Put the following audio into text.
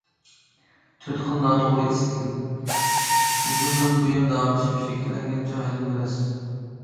« تۆت خىل ناتوغرا ئىستىل» ئۇزۇندىن بۇيان داۋاملىشىپ شەكىللەنگەن جاھىل مەرەز.